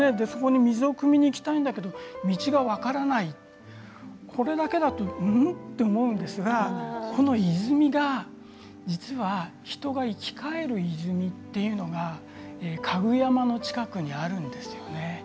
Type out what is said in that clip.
水をくみに行きたいんだけど道が分からないとそれだけだとあれと思うんですが泉が、実は人が生き返る泉というのが香具山の近くにあるんです。